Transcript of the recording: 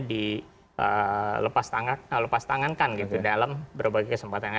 di lepas tangankan gitu dalam berbagai kesempatan